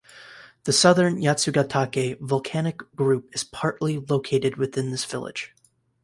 The Southern Yatsugatake Volcanic Group is partly located within this village.